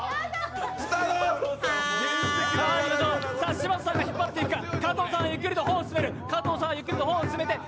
嶋佐さんが引っ張っていくか、加藤さんはゆっくりと歩を進める。